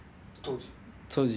当時？